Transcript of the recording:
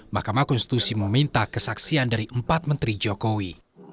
mahkamah konstitusi meminta kesaksian dari empat menteri jokowi